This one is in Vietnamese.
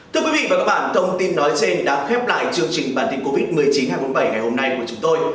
thưa quý vị và các bạn thông tin nói trên đã khép lại chương trình bản tin covid một mươi chín hai trăm bốn mươi bảy ngày hôm nay của chúng tôi